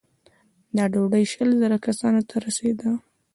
دا ډوډۍ شل زره کسانو ته رسېده.